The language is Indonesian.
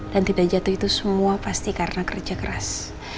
dan tidak jatuh itu semua pasti karena kerja keras